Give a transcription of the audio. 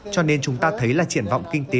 cho nên chúng ta thấy là triển vọng kinh tế